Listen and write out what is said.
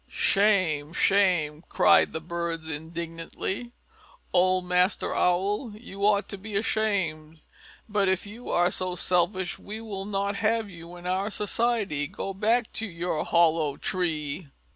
"Shame! Shame!" cried the birds indignantly. "Old Master Owl, you ought to be ashamed. But if you are so selfish we will not have you in our society. Go back to your hollow tree!"